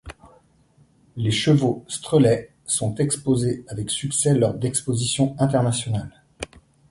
Les chevaux Strelets sont exposés avec succès lors d'expositions internationales.